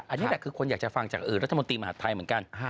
อันนี้แหละคือคนอยากจะฟังจากรัฐมนตรีมหาดไทยเหมือนกัน